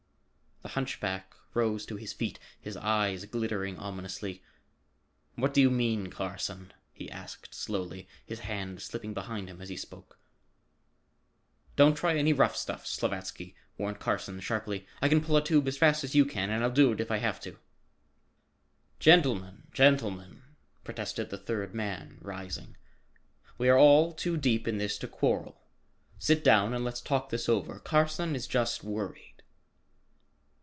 The hunchback rose to his feet, his eyes glittering ominously. "What do you mean, Carson?" he asked slowly, his hand slipping behind him as he spoke. "Don't try any rough stuff, Slavatsky!" warned Carson sharply. "I can pull a tube as fast as you can, and I'll do it if I have to." "Gentlemen, gentlemen!" protested the third man rising, "we are all too deep in this to quarrel. Sit down and let's talk this over. Carson is just worried."